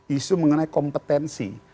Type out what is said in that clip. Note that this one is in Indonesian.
isu mengenai kompetensi